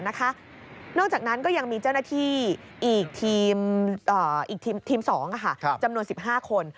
นอกจากนั้นก็ยังมีเจ้าหน้าที่อีกทีมอีกทีม๒จำนวน๑๕คน